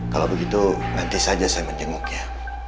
kalau begitu nanti saja saya menjenguknya